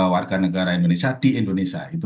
warga negara indonesia di indonesia